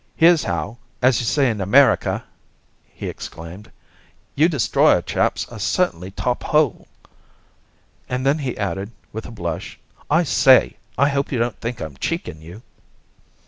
"Here's how as you say in America!" he exclaimed. "You destroyer chaps are certainly top hole." And then he added, with a blush, "I say, I hope you don't think I'm cheeking you!"